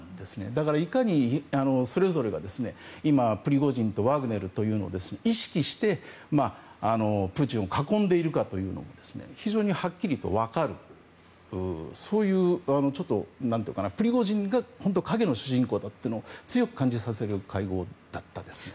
だから、いかにそれぞれが今、プリゴジンとワグネルというのを意識してプーチンを囲んでいるかというのが非常にはっきりと分かるというちょっと、プリゴジンが陰の主人公だというのを強く感じさせる会合だったんですね。